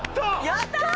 やったー！